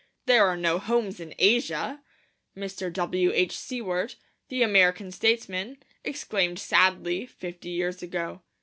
'There are no homes in Asia!' Mr. W. H. Seward, the American statesman, exclaimed sadly, fifty years ago.